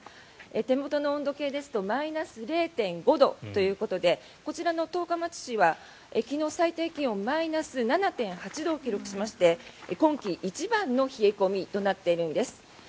手元の温度計ですとマイナス０．５度ということでこちらの十日町市は昨日、最低気温マイナス７．８度を記録しまして今季一番の冷え込みとなっているんです。